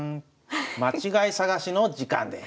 間違い探しの時間です。